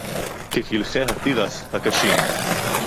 כְּקִלְחֵי הַתִּירָס הַקָּשִׁים